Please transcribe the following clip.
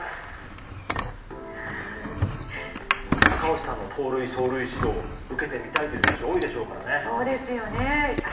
赤星さんの盗塁、走塁指導受けてみたいという選手多いでしょうからね。